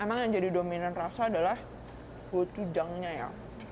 emang yang jadi dominan rasa adalah kutijangnya ya